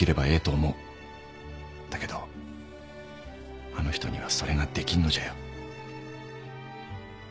だけどあの人にはそれができんのじゃよ。